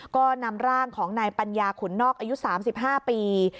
ก็นำร่างของนายปัญญาขุนนอกอายุ๓๕ปี